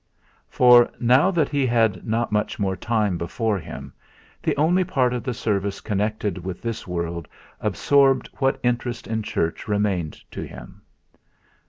For, now that he had not much more time before him, the only part of the service connected with this world absorbed what interest in church remained to him.